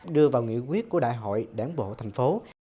đưa vào nghị quyết của đại hội đảng bộ thành phố